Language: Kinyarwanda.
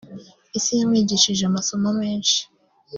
Isi yamwigishije amasomo menshi